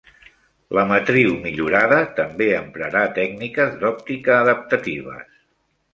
La matriu millorada també emprarà tècniques d'òptica adaptatives.